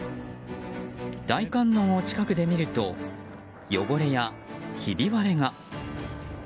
大観音を近くで見ると汚れや、ひび割れが。